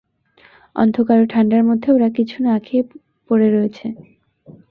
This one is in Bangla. অন্ধকার ও ঠান্ডার মধ্যে ওরা কিছু না খেয়ে পড়ে রয়েছে।